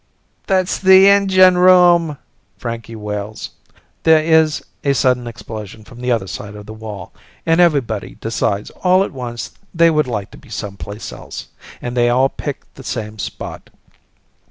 "That's the engine room!" Frankie wails. There is a sudden explosion from the other side of the wall, and everybody decides all at once they would like to be someplace else, and they all pick the same spot.